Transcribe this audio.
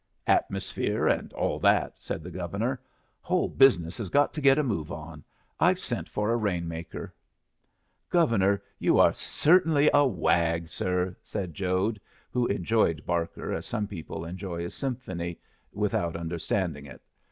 "Atmosphere, and all that," said the Governor. "Whole business has got to get a move on. I've sent for a rain maker." "Governor, you are certainly a wag, sir," said Jode, who enjoyed Barker as some people enjoy a symphony, without understanding it.